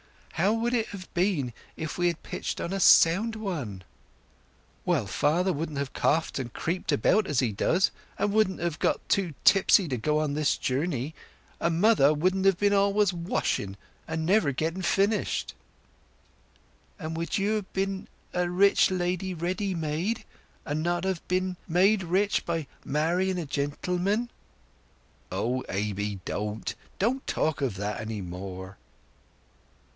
"How would it have been if we had pitched on a sound one?" "Well, father wouldn't have coughed and creeped about as he does, and wouldn't have got too tipsy to go on this journey; and mother wouldn't have been always washing, and never getting finished." "And you would have been a rich lady ready made, and not have had to be made rich by marrying a gentleman?" "O Aby, don't—don't talk of that any more!"